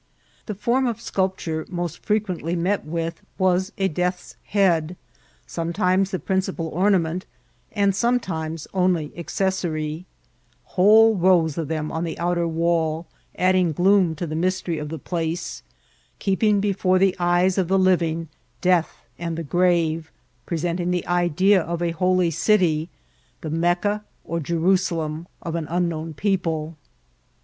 The form of sculpture most firequently met with was a death's head, sometimes the principal omamenti and sometimes only accessory ; whole rows of them on the outer wall, adding g^oom to the mystery of the place, keeping before the eyes of the living death and the grave, presenting the idea of a holy city — the Mec ca or Jerusalem of an unknown people.